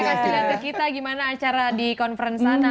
kita kasih lihat ke kita gimana acara di conference sana